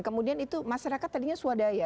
kemudian itu masyarakat tadinya swadaya